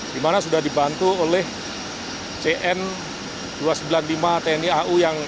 di mana sudah dibantu oleh cn dua ratus sembilan puluh lima tni au